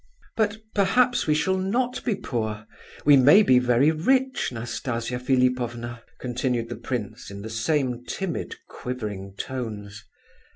"But perhaps we shall not be poor; we may be very rich, Nastasia Philipovna," continued the prince, in the same timid, quivering tones.